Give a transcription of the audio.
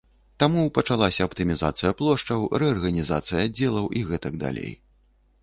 Таму пачалася аптымізацыя плошчаў, рэарганізацыя аддзелаў і гэтак далей.